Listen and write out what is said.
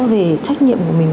về trách nhiệm của mình